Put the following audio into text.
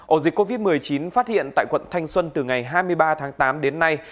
ổ dịch covid một mươi chín phát hiện tại quận thanh xuân từ ngày hai mươi ba tháng tám đến nay